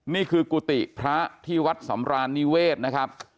นี่คือกุฏิพระที่วัดสำรานนิเวศนะครับ